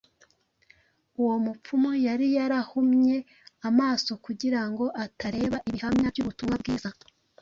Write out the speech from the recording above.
Uwo mupfumu yari yarihumye amaso kugira ngo atareba ibihamya by’ubutumwa bwiza